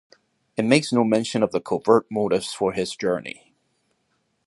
It makes no mention of the covert motives for his journey.